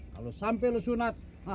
kalau sampe lu sunat